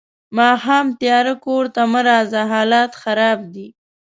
ماښام تیارۀ کور ته مه راځه حالات خراب دي.